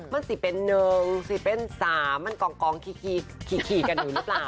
มันอิสิเป็น๑มันกองคีย์กันหรือเปล่า